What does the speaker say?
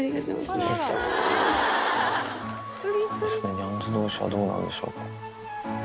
ニャンズどうしはどうなんでしょうか。